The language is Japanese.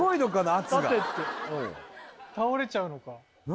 圧が・倒れちゃうのか何？